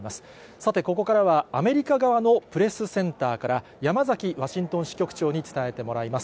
さて、ここからはアメリカ側のプレスセンターから、山崎ワシントン支局長に伝えてもらいます。